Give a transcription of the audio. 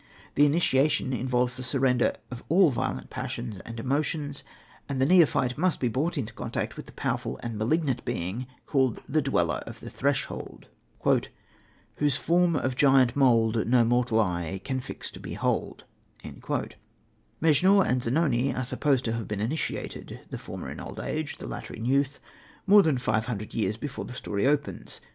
The initiation involves the surrender of all violent passions and emotions, and the neophyte must be brought into contact with the powerful and malignant being called the Dweller of the Threshold: "Whose form of giant mould No mortal eye can fixed behold," Mejnour and Zanoni are supposed to have been initiated the former in old age, the latter in youth more than five thousand years before the story opens.